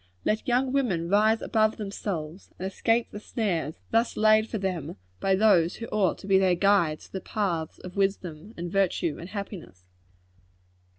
Let young women rise above themselves, and escape the snares thus laid for them by those who ought to be their guides to the paths of wisdom, and virtue, and happiness.